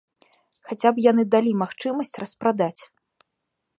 Хаця б яны далі магчымасць распрадаць.